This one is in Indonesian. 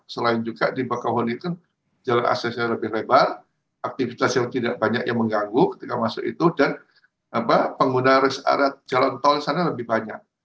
selain juga di bakahuni itu jalur aksesnya lebih lebar aktivitas yang tidak banyak yang mengganggu ketika masuk itu dan pengguna res area jalan tol sana lebih banyak